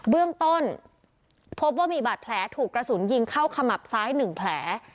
เบื้องต้นพบว่ามีบาดแผลถูกกระสุนยิงเข้าขมับซ้าย๑แผล